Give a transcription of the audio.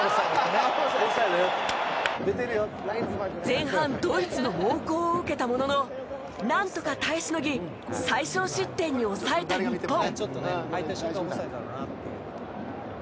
前半、ドイツの猛攻を受けたものの何とか耐えしのぎ最少失点に抑えた日本。